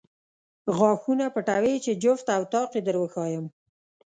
غاښونه پټوې چې جفت او طاق یې در وښایم.